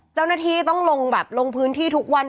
เจ้าหน้าที่ต้องลงแบบลงพื้นที่ทุกวัน